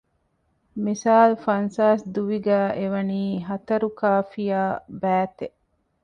މިސާލު ފަންސާސް ދުވި ގައި އެ ވަނީ ހަތަރުކާފިޔާ ބައިތެއް